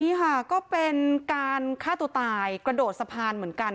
นี่ค่ะก็เป็นการฆ่าตัวตายกระโดดสะพานเหมือนกัน